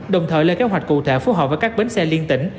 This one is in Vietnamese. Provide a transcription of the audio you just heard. đồng thời lên kế hoạch cụ thể phù hợp với các bến xe liên tỉnh